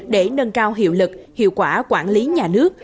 để nâng cao hiệu lực hiệu quả quản lý nhà nước